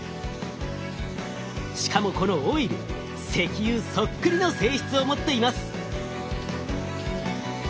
しかもこのオイル石油そっくりの性質を持っています。